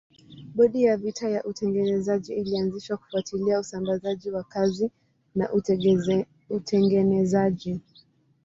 Bodi ya vita ya utengenezaji ilianzishwa kufuatilia usambazaji wa kazi na utengenezaji.